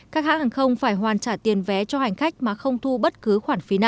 các hãng hàng không phải hoàn trả tiền vé cho hành khách mà không thu bất cứ khoản phép